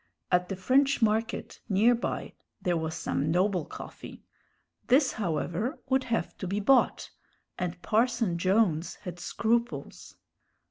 At the French Market, near by, there was some noble coffee. This, however, would have to be bought, and Parson Jones had scruples.